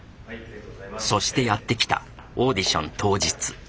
そしてやって来たオーディション当日。